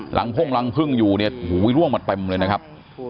หลังพ่งหลังพึ่งอยู่เนี่ยหัววิ่งล่วงมาเต็มเลยนะครับ